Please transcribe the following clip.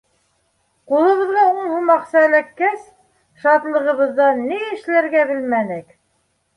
Ҡулыбыҙға ун һум аҡса эләккәс, шатлығыбыҙҙан ни эшләргә белмәнек.